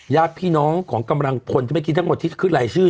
ญาติพี่น้องของกำลังพลที่เมื่อกี้ทั้งหมดที่จะขึ้นรายชื่อ